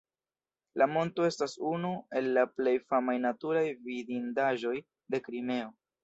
La monto estas unu el la plej famaj naturaj vidindaĵoj de Krimeo.